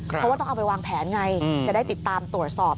เพราะว่าต้องเอาไปวางแผนไงจะได้ติดตามตรวจสอบ